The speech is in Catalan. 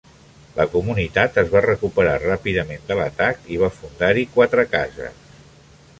La comunitat es va recuperar ràpidament de l'atac i va fundar-hi quatre cases.